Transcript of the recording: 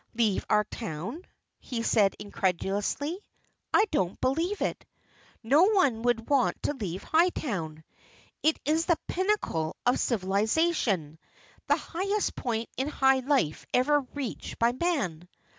"Leave our town?" he said incredulously. "I don't believe it. No one could want to leave Hightown. It is the pinnacle of civilization, the highest point in high life ever reached by man.